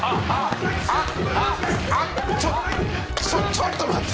ちょっと待って。